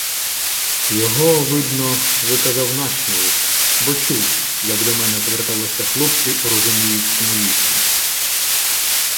Його, ввдно, виказав начміл, бо чув, як до мене зверталися хлопці у Розуміївському лісі.